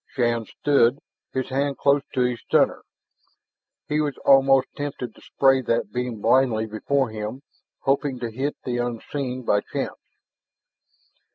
Shann stood, his hand close to his stunner. He was almost tempted to spray that beam blindly before him, hoping to hit the unseen by chance.